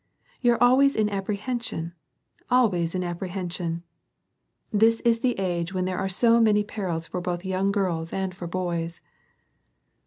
You're always in apprehension, always in apprehension ! This is the age when there are so many perils both for young girls and for boys."